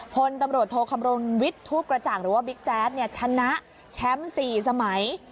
พลตำรวจโทคำรณวิทย์ทูปกระจ่างหรือว่าบิ๊กแจ๊ดเนี่ยชนะแชมป์๔สมัย